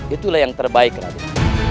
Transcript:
itulah yang terbaik raden